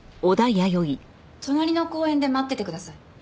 隣の公園で待っててください。